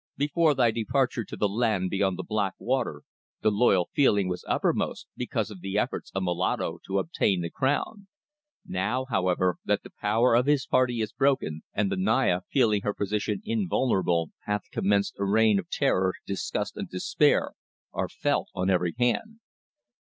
Before thy departure to the land beyond the black water the loyal feeling was uppermost because of the efforts of Moloto to obtain the crown. Now, however, that the power of his party is broken and the Naya, feeling her position invulnerable, hath commenced a reign of terror, disgust and despair are felt on every hand."